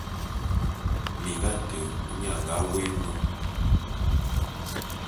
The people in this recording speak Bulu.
Minga ate nnye a nga wôé nnôm.